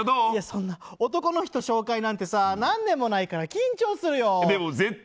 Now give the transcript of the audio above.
そんな、男の人紹介なんてさ何年もないから緊張するよ。